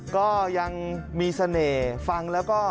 ก็ยังมีเสน่ห์ฟังแล้วก็